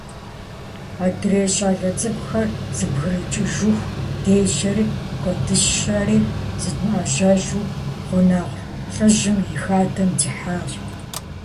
Адрей щӀалэ цӀыкӀухэр зэбгрыкӀыжыху дежьэри, куэдыщэри зыдмыӀэжьэжу, гъунэгъу лӏыжьым и хадэм дихьащ.